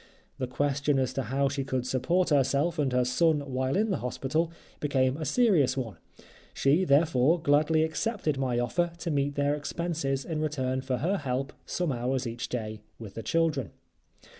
The question as to how she could support herself and her son while in the hospital became a serious one; she, therefore, gladly accepted my offer to meet their expenses in return for her help some hours each day with the children.